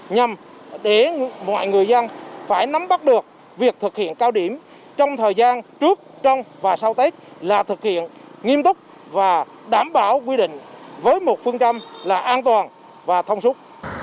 nhằm để mọi người dân phải nắm bắt được việc thực hiện cao điểm trong thời gian trước trong và sau tết là thực hiện nghiêm túc và đảm bảo quy định với một phương châm là an toàn và thông suốt